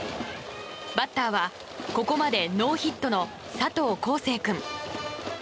バッターはここまでノーヒットの佐藤光成君。